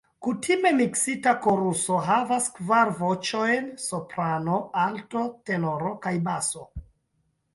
Kutime miksita koruso havas kvar voĉojn: Soprano, Alto, Tenoro kaj Baso.